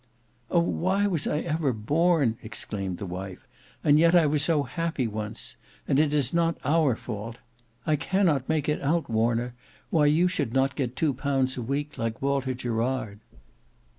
"Oh! why was I ever born!" exclaimed his wife. "And yet I was so happy once! And it is not our fault. I cannot make it out Warner, why you should not get two pounds a week like Walter Gerard?"